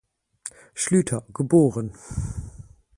Schlüter, geboren.